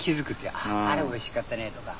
あっあれおいしかったねとか。